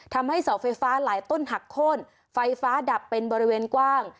ทำให้เสาไฟฟ้าหลายต้นหักโค้นไฟฟ้าดับเป็นบริเวณกว้าง